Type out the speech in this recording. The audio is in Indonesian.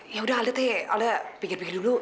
yaudah alda teh alda pinggir pinggir dulu